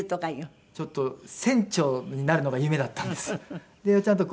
ちょっと船長になるのが夢だったんです。